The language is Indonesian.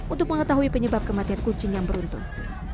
untuk mengetahui penyebab kematian kucing yang beruntung